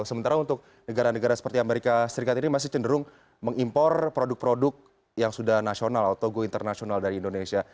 sementara untuk negara negara seperti amerika serikat ini masih cenderung mengimpor produk produk yang sudah nasional atau go internasional dari indonesia